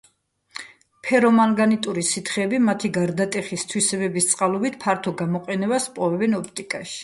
ფერომაგნიტური სითხეები მათი გარდატეხის თვისებების წყალობით ფართო გამოყენებას ჰპოვებენ ოპტიკაში.